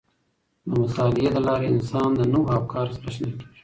د مطالعې له لارې انسان د نوو افکارو سره آشنا کیږي.